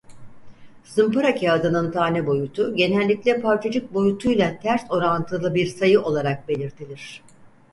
Zımpara kağıdının tane boyutu genellikle parçacık boyutuyla ters orantılı bir sayı olarak belirtilir.